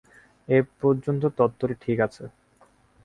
এ পর্যন্ত তত্ত্বটি ঠিক আছে।